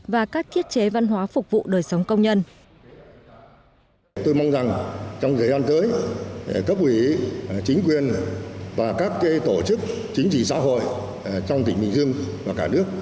và các thiết chế văn hóa phục vụ đời sống công nhân